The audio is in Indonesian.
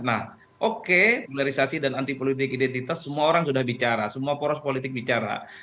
nah oke polarisasi dan anti politik identitas semua orang sudah bicara semua poros politik bicara